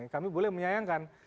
kami boleh menyayangkan